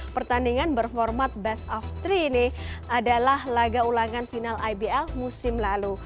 pertandingan berformat best of tiga ini adalah laga ulangan final ibl musim lalu